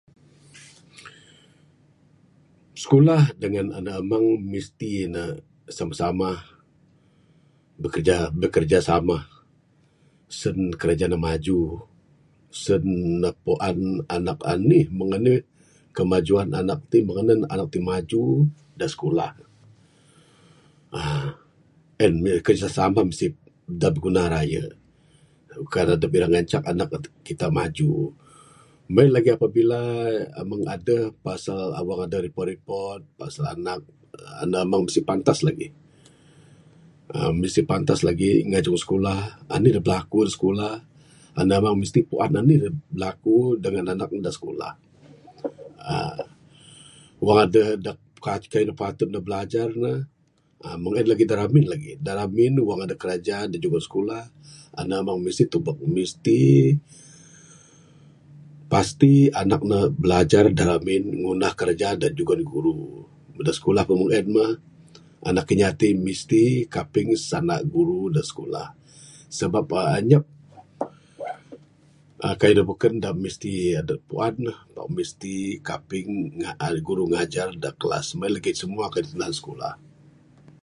Skulah dangan ande amang mesti ne samah samah bekerjasamah sen kerja ne maju sen ne puan anak anih kemajuan anak ti meng anih anak ti maju da skulah uhh en mah kerjasamah mesti biguna raye. Kan adep ira ngancak anak kita maju meng en lagih apabila adeh pasal wang report report pasal anak ande amang mesti pantas lagih. Mesti pantas lagih ngajung skulah anih da berlaku da skulah ande amang mesti puan anih da berlaku ngan anak ne da skulah. uhh wang adeh kayuh da patut ne bilajar ne meng en lagih da ramin lagih wang adep kraja da jugon skulah ande amang mesti tubek mesti pasti anak ne bilajar da ramin ngunah kerja da jugon guru. Da skulah pun meng en mah Anak inya ti mesti kaping sanda guru da skulah. Sabab uhh anyap kayuh da beken da mesti adep puan ne Pak mesti kaping guru ngajar da klas meng en lagih semua kayuh da tunah skulah.